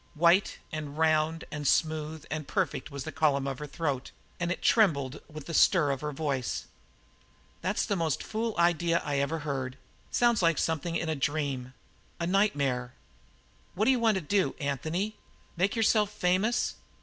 White and round and smooth and perfect was the column of her throat, and it trembled with the stir of her voice. "The most fool idea I ever heard. Sounds like something in a dream a nightmare. What d'you want to do, Anthony, make yourself famous?